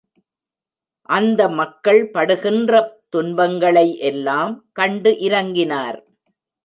அந்த மக்கள் படுகின்ற துன்பங்களை எல்லாம் கண்டு இரங்கினார்.